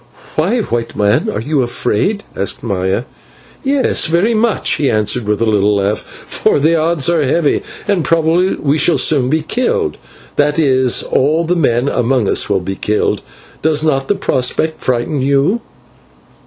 "Why, White Man? Are you afraid?" asked Maya. "Yes, very much," he answered, with a little laugh, "for the odds are heavy, and probably we shall soon be killed, that is, all the men among us will be killed. Does not the prospect frighten you?"